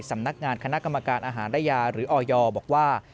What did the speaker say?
สำนักงานคณะกรรมการอาหารและยาหรือออยบอกว่า